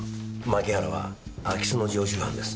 槇原は空き巣の常習犯です。